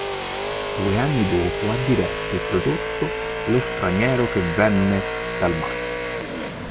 Due anni dopo ha diretto e prodotto "Lo straniero che venne dal mare".